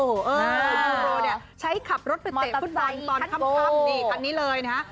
ยูโรเนี่ยใช้ขับรถไปเตะฟุตบอลตอนค่ำนี่คันนี้เลยนะฮะ